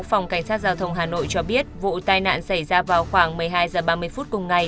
phòng cảnh sát giao thông hà nội cho biết vụ tai nạn xảy ra vào khoảng một mươi hai h ba mươi phút cùng ngày